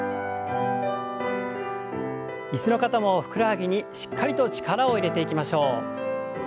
椅子の方もふくらはぎにしっかりと力を入れていきましょう。